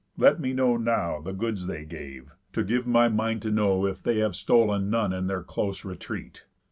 Let me number now The goods they gave, to give my mind to know If they have stol'n none in their close retreat."